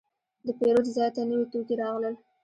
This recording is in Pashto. د پیرود ځای ته نوي توکي راغلل.